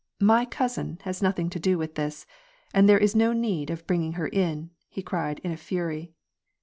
'< My cousin has nothing to do with this, and there is no need of bringing her in," he cried, in a fury.